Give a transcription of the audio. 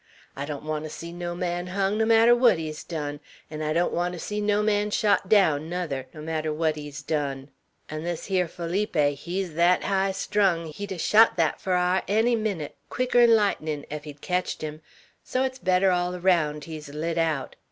I don't want to see no man hung, no marter what he's done, 'n' I don't want to see no man shot down, nuther, no marter what he's done; 'n' this hyar Feeleepy, he's thet highstrung, he'd ha' shot thet Farrar, any minnit, quicker'n lightnin', ef he'd ketched him; so it's better all raound he's lit aout.